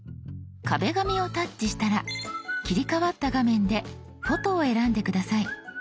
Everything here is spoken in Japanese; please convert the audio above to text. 「壁紙」をタッチしたら切り替わった画面で「フォト」を選んで下さい。